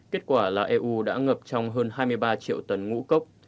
kết quả là eu đã ngập trong hơn hai mươi ba triệu tấn ngũ cốc